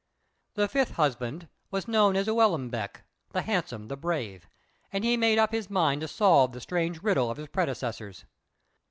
The fifth husband was known as "Ū el ŭm bek," "the handsome, the brave," and he made up his mind to solve the strange riddle of his predecessors.